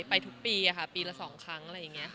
ไปทุกปีปีละ๒ครั้งอะไรอย่างนี้